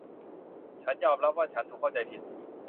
ฉันยอมรับว่าฉันถูกเข้าใจผิด